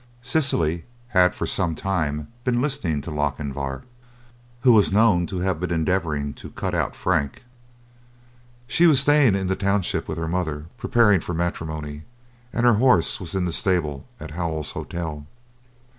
Cecily had for some time been listening to Lochinvar, who was known to have been endeavouring to "cut out" Frank. She was staying in the township with her mother preparing for matrimony, and her horse was in the stable at Howell's Hotel.